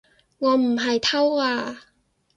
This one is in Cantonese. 我唔係偷啊